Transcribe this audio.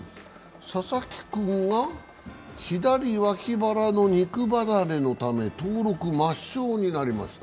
佐々木君が左脇腹の肉離れのため登録抹消になりました。